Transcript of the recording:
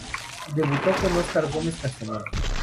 Debutó con Oscar Gómez Castañón.